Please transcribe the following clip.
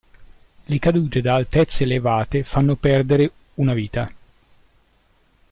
Le cadute da altezze elevate fanno perdere una vita.